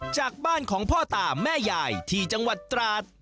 จากบ้านของพ่อตาแม่ยายที่จังหวัดตราด